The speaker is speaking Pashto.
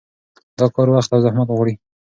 دا کار وخت او زحمت غواړي.